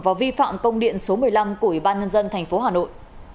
và vi phạm công điện số một mươi năm của ủy ban nhân dân tp hà nội